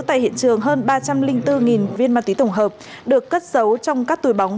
tại hiện trường hơn ba trăm linh bốn viên ma túy tổng hợp được cất giấu trong các túi bóng